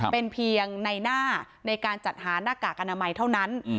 เป็นเพียงในหน้าในการจัดหาหน้ากากอนามัยเท่านั้น